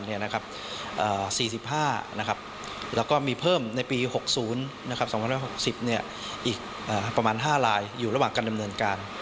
๔๕แล้วก็มีเพิ่มในปี๖๐๒๖๐อีกประมาณ๕ลายอยู่ระหว่างการดำเนินการ